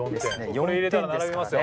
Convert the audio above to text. これ入れたら並びますよ。